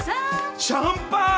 シャンパン。